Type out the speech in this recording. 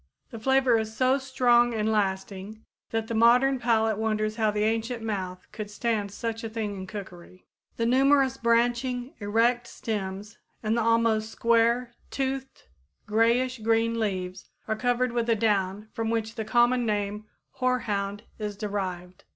The flavor is so strong and lasting that the modern palate wonders how the ancient mouth could stand such a thing in cookery. The numerous branching, erect stems and the almost square, toothed, grayish green leaves are covered with a down from which the common name hoarhound is derived.